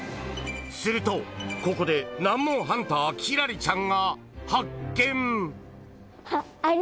［するとここで難問ハンター輝星ちゃんが発見！］